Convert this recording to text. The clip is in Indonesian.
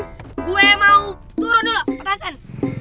gue mau turun dulu petasan